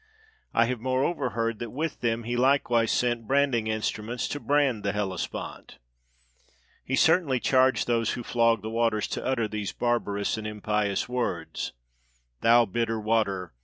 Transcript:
I have moreover heard that with them he likewise sent 353 PERSIA branding instruments to brand the Hellespont. He cer tainly charged those who flogged the waters to utter these barbarous and impious words: "Thou bitter water!